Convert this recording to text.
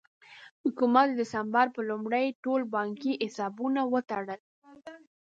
حکومت د ډسمبر په لومړۍ ټول بانکي حسابونه وتړل.